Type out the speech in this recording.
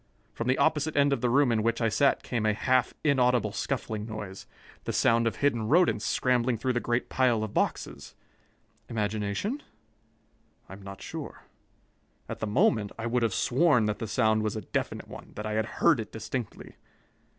From the opposite end of the room in which I sat came a half inaudible scuffling noise the sound of hidden rodents scrambling through the great pile of boxes. Imagination? I am not sure. At the moment, I would have sworn that the sound was a definite one, that I had heard it distinctly.